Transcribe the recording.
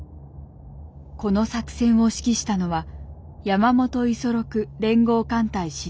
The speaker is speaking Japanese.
この作戦を指揮したのは山本五十六連合艦隊司令長官。